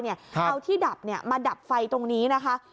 เอาที่ดับมาดับไฟตรงนี้นะคะ